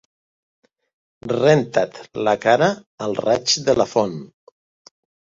Renta't la cara al raig de la font.